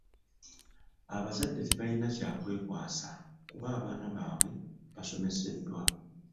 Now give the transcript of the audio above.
Abazadde tebalina kya kwekwasa kuba abaana baabwe basomeseddwa.